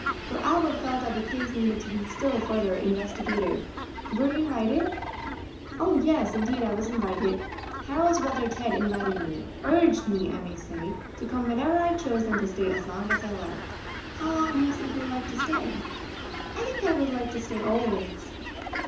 for Albert felt that the case needed to be still further investigated; "were you inwited?" "Oh, yes, indeed I was invited! Harold's brother Ted invited me urged me, I may say, to come whenever I chose, and to stay as long as I liked." "How long do you sink you will like to stay?" "I think I would like to stay always."